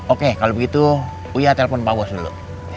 oke kalau begitu uya telepon pak bos dulu